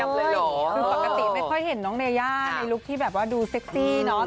คือปกติไม่ค่อยเห็นน้องเรย่าในรูปที่ดูเซ็กซี่เนอะ